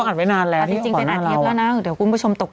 กับต่างจังหวัดกันไปหมด